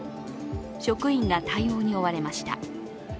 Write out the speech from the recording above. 職員が対応に追われました。